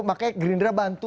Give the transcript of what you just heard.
makanya greenress bantu